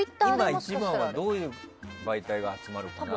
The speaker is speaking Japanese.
今一番はどういう媒体が集まるかな？